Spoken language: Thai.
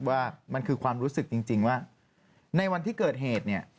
ว่ามันคือความรู้สึกจริงว่าในวันที่เกิดเหตุเนี่ย